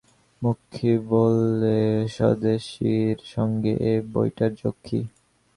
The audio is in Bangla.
মক্ষী বললে, স্বদেশীর সঙ্গে এ বইটার যোগ কী?